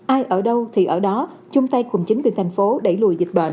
ai ở đâu thì ở đó chung tay cùng chính quyền thành phố đẩy lùi dịch bệnh